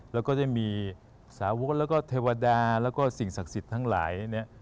แล้วก็จะมีสาวกแล้วก็เทวดาแล้วก็สิ่งศักดิ์สิทธิ์ทั้งหลายเนี่ย